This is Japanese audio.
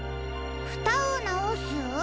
ふたをなおす？